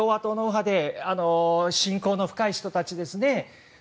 信仰の深い人たちですね。